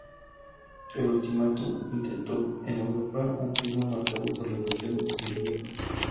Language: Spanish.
El ultimátum alimentó en Europa un clima marcado por la tensión y el miedo.